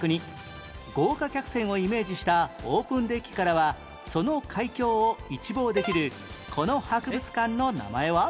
豪華客船をイメージしたオープンデッキからはその海峡を一望できるこの博物館の名前は？